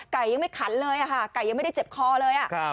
ยังไม่ขันเลยค่ะไก่ยังไม่ได้เจ็บคอเลย